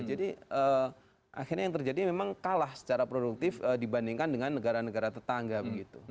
jadi akhirnya yang terjadi memang kalah secara produktif dibandingkan dengan negara negara tetangga begitu